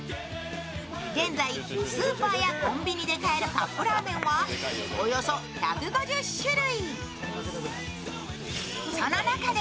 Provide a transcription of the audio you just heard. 現在、スーパーやコンビニで買えるカップラーメンはおよそ１５０種類。